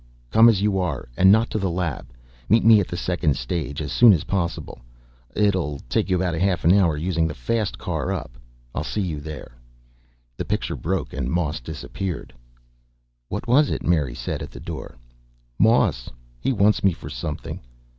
Come as you are. And not to the lab. Meet me at second stage as soon as possible. It'll take you about a half hour, using the fast car up. I'll see you there." The picture broke and Moss disappeared. "What was it?" Mary said, at the door. "Moss. He wants me for something."